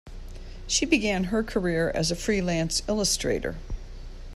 She began her career as a freelance illustrator.